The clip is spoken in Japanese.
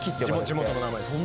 地元の名前です。